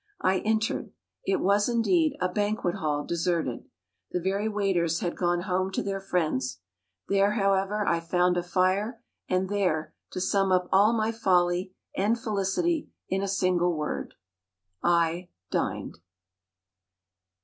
I entered; it was indeed "a banquet hall deserted." The very waiters had gone home to their friends. There, however, I found a fire; and there to sum up all my folly and felicity in a single word I DINED.